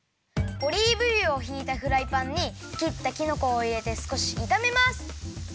オリーブ油をひいたフライパンにきったきのこをいれてすこしいためます。